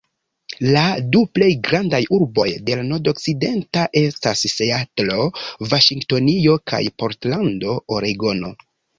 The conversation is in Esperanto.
La du plej grandaj urboj de la nordokcidento estas Seatlo, Vaŝingtonio kaj Portlando, Oregono.